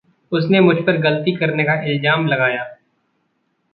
उसने मुझपर ग़लती करने का इलज़ाम लगाया।